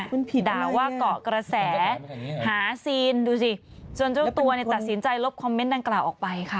คุณด่าว่าเกาะกระแสหาซีนดูสิจนเจ้าตัวเนี่ยตัดสินใจลบคอมเมนต์ดังกล่าวออกไปค่ะ